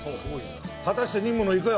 果たして任務の行方は？